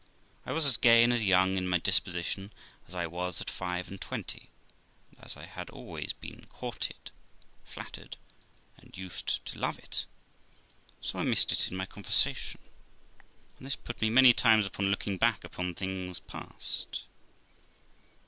I was as gay and as young in my disposition as I was at five and twenty ; and, as I had always been courted, flattered, and used to love it, so I miss ed it in my conversation; and this put me many times upon looking back upon things past.